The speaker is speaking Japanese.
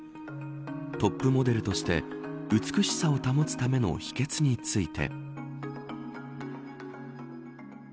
トップモデルとして美しさを保つための秘訣について。